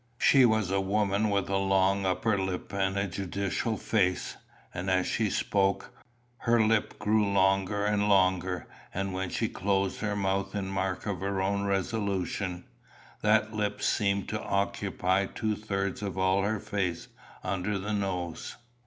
She was a woman with a long upper lip and a judicial face, and as she spoke, her lip grew longer and longer; and when she closed her mouth in mark of her own resolution, that lip seemed to occupy two thirds of all her face under the nose.